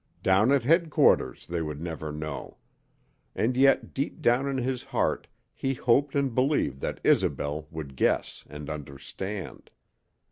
Down at headquarters they would never know. And yet deep down in his heart he hoped and believed that Isobel would guess and understand.